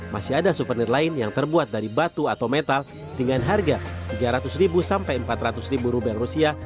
masih ada souvenir lain yang terbuat dari batu atau metal dengan harga tiga ratus sampai empat ratus rupiah rusia